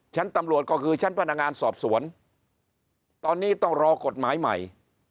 ตำรวจก็คือชั้นพนักงานสอบสวนตอนนี้ต้องรอกฎหมายใหม่